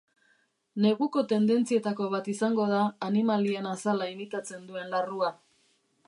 Neguko tendentzietako bat izango da animalien azala imitatzen duen larrua.